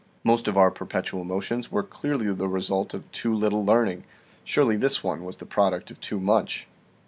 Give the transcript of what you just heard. Most of our perpetual motions were clearly the result of too little learning ; surely this one was the product of too much."